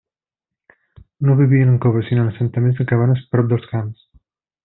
No vivien en coves sinó en assentaments de cabanes prop dels camps.